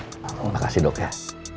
terima kasih dok ya